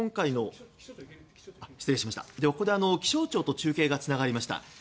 ここで気象庁と中継がつながりました。